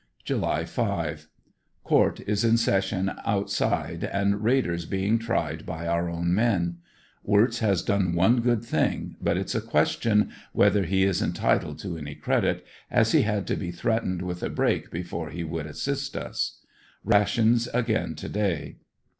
July 5. — Court is in session outside and raiders being tried by our own men. Wirtz has done one good thing, but it's a question whether he is entitled to any credit, as he had to be threatened with a break before he would assist us. Rations again to day.